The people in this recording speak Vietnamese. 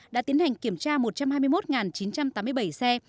đã tiến hành kiểm tra một trăm hai mươi một chín trăm tám mươi bảy xe